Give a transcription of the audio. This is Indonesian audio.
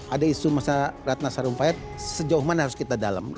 ada isu masyarakat nasarumpayat sejauh mana harus kita dalam